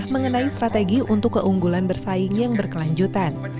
mengenai strategi untuk keunggulan bersaing yang berkelanjutan